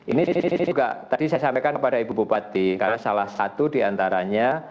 ini juga tadi saya sampaikan kepada ibu bupati karena salah satu diantaranya